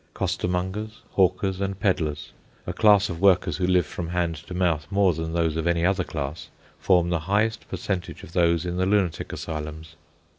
Costermongers, hawkers, and pedlars, a class of workers who live from hand to mouth more than those of any other class, form the highest percentage of those in the lunatic asylums.